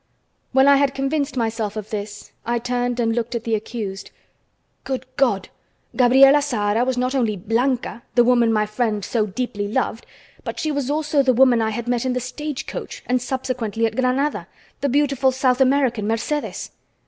When I had convinced myself of this, I turned and looked at the accused. Good God! Gabriela Zahara was not only Blanca, the woman my friend so deeply loved, but she was also the woman I had met in the stagecoach and subsequently at Granada, the beautiful South American, Mercedes!